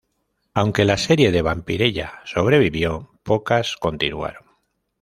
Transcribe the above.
Aunque la serie de "Vampirella" sobrevivió, pocas continuaron.